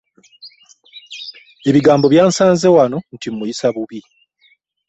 Ebigambo byansanze wano nti Muyiisa mubbi.